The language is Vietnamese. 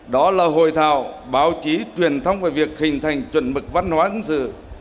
đó là hội thảo báo chí truyền thông về việc hình thành chuẩn mực văn hóa hướng sự